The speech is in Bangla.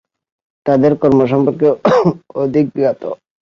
তাদের কর্ম সম্পর্কে অধিক জ্ঞাত।